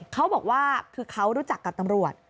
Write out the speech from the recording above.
เขาบอกว่าคือเขารู้จักกับตำรวจ